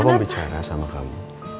papa mau bicara sama kamu